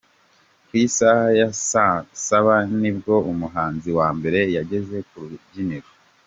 Ku isaha ya saa saba ni bwo umuhanzi wa mbere yageze ku rubyiniro.